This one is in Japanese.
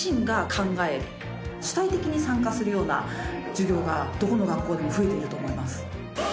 主体的に参加するような授業がどこの学校でも増えていると思います。